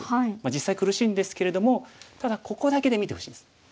実際苦しいんですけれどもただここだけで見てほしいんです。